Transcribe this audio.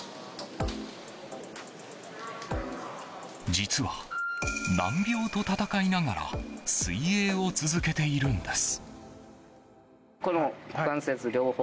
実は、難病と闘いながら水泳を続けているんです。